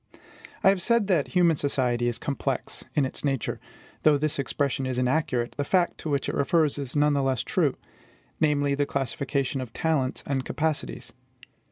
I have said that human society is COMPLEX in its nature. Though this expression is inaccurate, the fact to which it refers is none the less true; namely, the classification of talents and capacities.